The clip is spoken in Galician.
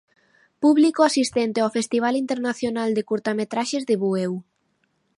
Público asistente ao Festival Internacional de Curtametraxes de Bueu.